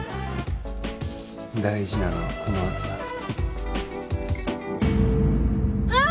大事なのはこのあとだああ！